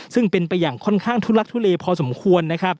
ซึ่งเป็นไปอย่างค่อนข้างทุลักทุเลพอสมควรนะครับ